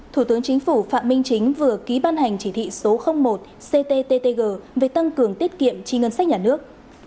thủ tướng chính phủ phạm minh chính vừa ký ban hành chỉ thị số một cttg về tăng cường tiết kiệm chi ngân sách nhà nước